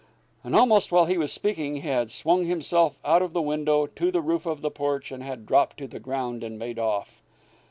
And almost while he was speaking he had swung himself out of the window to the roof of the porch and had dropped to the ground and made off.